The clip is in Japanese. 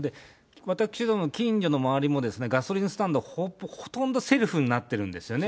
私ども、近所の周りも、ガソリンスタンド、ほとんどセルフになっているんですよね。